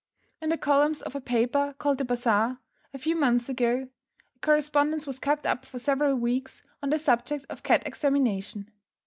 In the columns of a paper called The Bazaar, a few months ago, a correspondence was kept up for several weeks on the subject of "Cat Extermination."